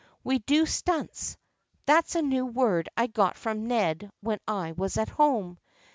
We do stunts — that's a new word I got from Ned when I was at home.